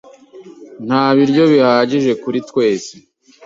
Nta biryo bihagije kuri twese.